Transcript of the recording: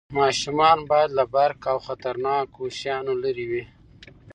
ماشومان باید له برق او خطرناکو شیانو لرې وي.